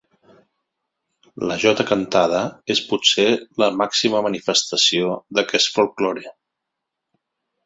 La jota cantada és potser la màxima manifestació d'aquest folklore.